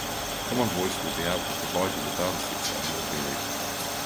Common Voice will be able to provide you with datasets that are more varied.